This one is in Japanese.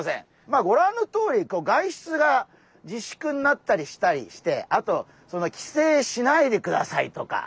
まあご覧のとおり外出がじしゅくになったりしたりしてあと帰省しないでくださいとか。